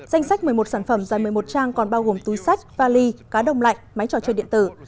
danh sách một mươi một sản phẩm dài một mươi một trang còn bao gồm túi sách vali cá đông lạnh máy trò chơi điện tử